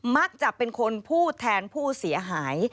มักจะเป็นคนพูดแทนผู้เสียหาย